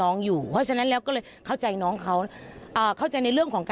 ก็ไม่รู้เรื่องรูปนั้นก็คงยังต้องแบบแชร์ต่อไปเรื่อยอะค่ะ